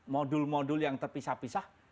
modul modul yang terpisah pisah